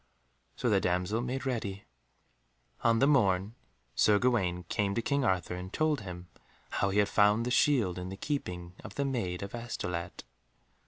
So the damsel made ready. On the morn Sir Gawaine came to King Arthur and told him how he had found the shield in the keeping of the Maid of Astolat.